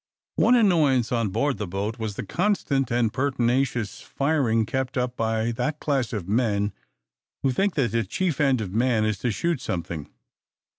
One annoyance on board the boat was the constant and pertinacious firing kept up by that class of men who think that the chief end of man is to shoot something.